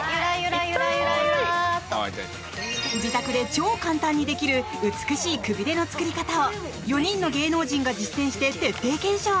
自宅で超簡単にできる美しい、くびれの作り方を４人の芸能人が実践して徹底検証。